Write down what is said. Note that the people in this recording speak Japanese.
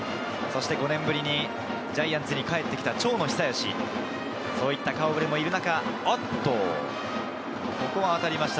５年ぶりにジャイアンツに帰ってきた長野久義、そういった顔ぶれもいる中、ここは当たりました。